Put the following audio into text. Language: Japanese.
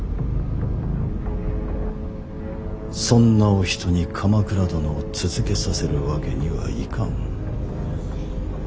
そんなお人に鎌倉殿を続けさせるわけにはいかん。